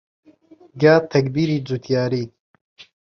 گا تەکبیری جووتیاری